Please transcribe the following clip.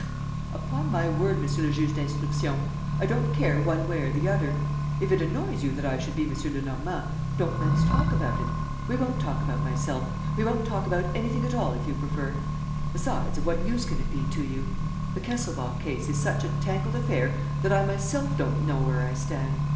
"Upon my word, Monsieur le Juge d'Instruction, I don't care one way or the other. If it annoys you that I should be M. Lenormand, don't let's talk about it. We won't talk about myself; we won't talk about anything at all, if you prefer. Besides, of what use can it be to you? The Kesselbach case is such a tangled affair that I myself don't know where I stand.